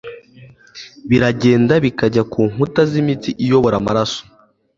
biragenda bikajya ku nkuta z'imitsi iyobora amaraso,